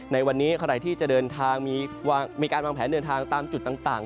ในวันนี้ใครที่จะเดินทางมีการวางแผนเดินทางตามจุดต่าง